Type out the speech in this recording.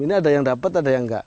ini ada yang dapat ada yang nggak